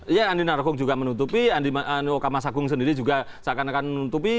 ya andi narogong juga menutupi andi okamasagung sendiri juga seakan akan menutupi